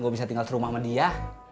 gue bisa tinggal serumah sama dia